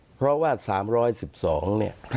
เพราะว่า๓๑๒เนี่ย